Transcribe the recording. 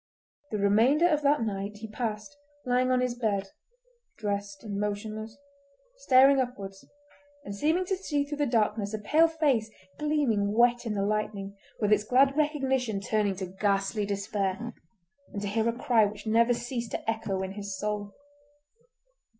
The remainder of that night he passed lying on his bed—dressed and motionless—staring upwards, and seeming to see through the darkness a pale face gleaming wet in the lightning, with its glad recognition turning to ghastly despair, and to hear a cry which never ceased to echo in his soul.